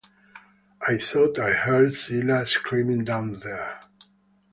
I thought I heard Zyla screaming down there.